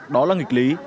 đó là nghịch lý